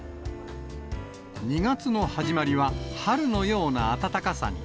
２月の始まりは春のような暖かさに。